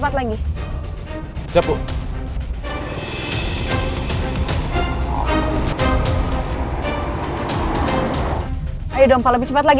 pak tolong dikejar terus ya tolong lebih cepat lagi